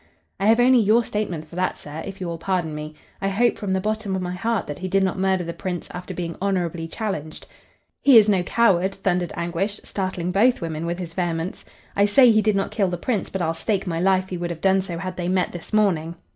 "I have only your statement for that, sir, if you will pardon me. I hope, from the bottom of my heart, that he did not murder the Prince after being honorably challenged." "He is no coward!" thundered Anguish; startling both women with his vehemence. "I say he did not kill the Prince, but I'll stake my life he would have done so had they met this morning.